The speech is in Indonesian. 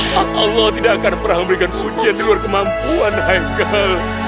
hak allah tidak akan pernah memberikan kuncian di luar kemampuan haikal